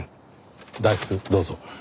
大福どうぞ。